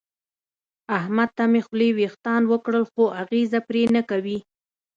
احمد ته مې خولې وېښتان وکړل خو اغېزه پرې نه کوي.